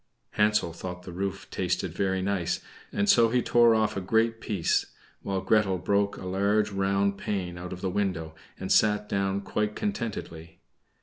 Hansel thought the roof tasted very nice, and so he tore off a great piece; while Gretel broke a large round pane out of the window and sat down quite contentedly.